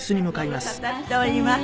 ご無沙汰しております。